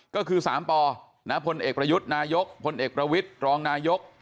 ก็คือ๓ปพลเอกประยุทธ์นายกพลเอกประวิทย์รองนายก